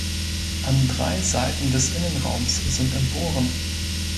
An drei Seiten des Innenraums sind Emporen.